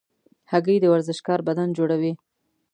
هګۍ د ورزشکار بدن جوړوي.